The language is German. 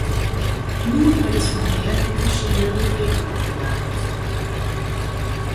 Nun wird es vermehrt in verschiedenen Geweben abgelagert.